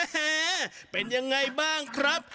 แหเป็นยังไงบ้างครับ